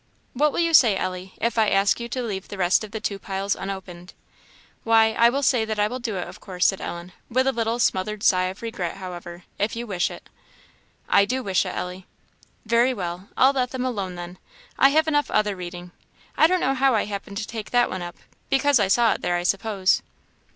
"What will you say, Ellie, if I ask you to leave the rest of the two piles unopened?" "Why, I will say that I will do it, of course," said Ellen with a little smothered sigh of regret, however "if you wish it." "I do wish it, Ellie." "Very well I'll let them alone, then. I have enough other reading; I don't know how I happened to take that one up; because I saw it there, I suppose."